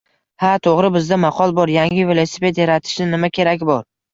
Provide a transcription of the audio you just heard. Ha, toʻgʻri. Bizda bir maqol bor: Yangi velosiped yaratishni nima keragi bor!